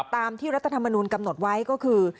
ตามที่รัฐธรรมนุนกำหนดไว้ก็คือ